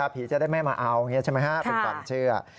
ผีจะได้แม่มาเอาอย่างนี้ใช่ไหมฮะเป็นการเชื่อค่ะค่ะ